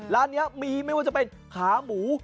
ร้านนี้มีไม่ว่าจะเป็นขาหมู